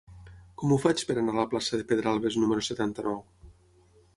Com ho faig per anar a la plaça de Pedralbes número setanta-nou?